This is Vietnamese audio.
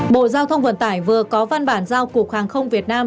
bộ giao thông vận tải vừa có văn bản giao cục hàng không việt nam